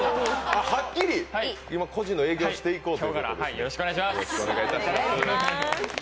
はっきり、今、個人の営業をしていこうと。